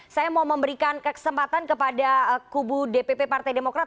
saya mau memberikan kesempatan kepada kubu dpp partai demokrat